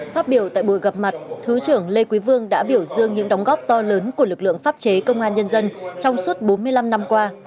phát biểu tại buổi gặp mặt thứ trưởng lê quý vương đã biểu dương những đóng góp to lớn của lực lượng pháp chế công an nhân dân trong suốt bốn mươi năm năm qua